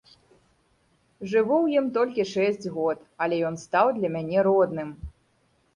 Жыву ў ім толькі шэсць год, але ён стаў для мяне родным.